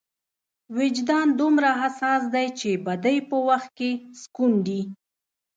وجدان دومره حساس دی چې بدۍ په وخت کې سکونډي.